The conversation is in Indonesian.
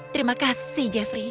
terima kasih jeffrey